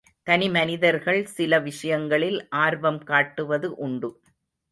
தனி மனிதர்கள் சில விஷயங்களில் ஆர்வம் காட்டுவது உண்டு.